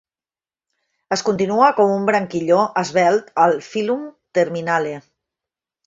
Es continua com un branquilló esvelt al filum terminale.